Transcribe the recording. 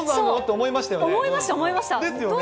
思いました、思いました。ですよね。